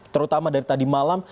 terutama dari tadi malam